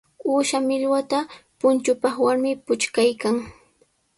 Uusha millwata punchupaq warmi puchkaykan.